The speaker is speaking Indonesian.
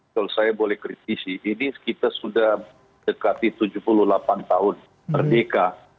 kalau saya boleh kritisi ini kita sudah dekati tujuh puluh delapan tahun merdeka